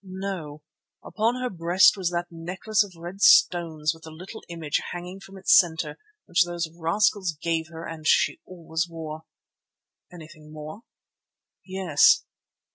"No. Upon her breast was that necklace of red stones with the little image hanging from its centre which those rascals gave her and she always wore." "Anything more?" "Yes.